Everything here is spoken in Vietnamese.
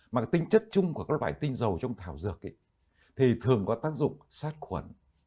mà tinh chất chung của các loại tinh dầu trong thảo dược thì thường có tác dụng sát khuẩn